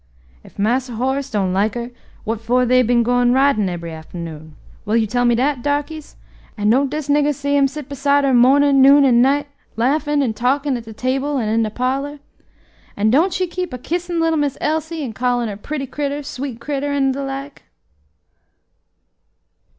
"Ef Marse Horace don't like her, what for they been gwine ridin' ebery afternoon? will you tell me dat, darkies? an' don't dis niggah see him sit beside her mornin', noon, an' night, laughin' an' talkin' at de table an' in de parlor? an' don't she keep a kissin' little Miss Elsie, an' callin' her pretty critter, sweet critter, an' de like?"